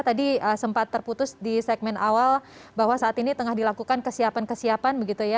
tadi sempat terputus di segmen awal bahwa saat ini tengah dilakukan kesiapan kesiapan begitu ya